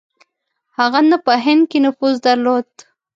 هغه نه په هند کې نفوذ درلود.